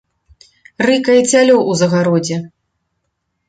Рыкае цялё ў загародзе.